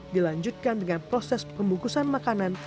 dilanjutkan dengan proses pembungkusan makanan